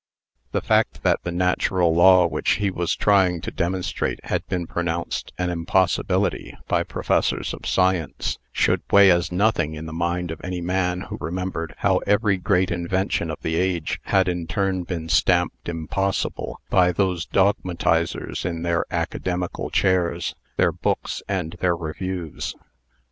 The fact that the natural law which he was trying to demonstrate had been pronounced an impossibility by professors of science, should weigh as nothing in the mind of any man who remembered how every great invention of the age had in turn been stamped "impossible" by those dogmatizers in their academical chairs, their books, and their reviews.